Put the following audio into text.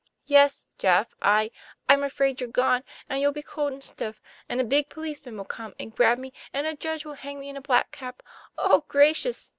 " Yes, Jeff, I I'm afraid you're gone, and you'll be cold and stiff, and a big policeman will come and grab me, and a judge will hang me in a black cap Oh, gracious!"